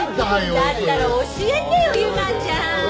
だったら教えてよ由真ちゃん。